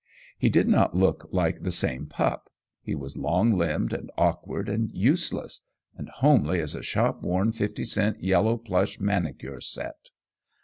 He did not look like the same pup. He was long limbed and awkward and useless, and homely as a shopworn fifty cent yellow plush manicure set.